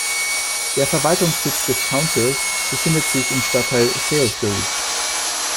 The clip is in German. Der Verwaltungssitz des Councils befindet sich im Stadtteil Salisbury.